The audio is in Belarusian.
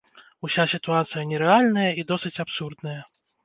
Уся сітуацыя нерэальная і досыць абсурдная.